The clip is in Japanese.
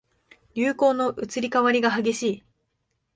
流行の移り変わりが激しい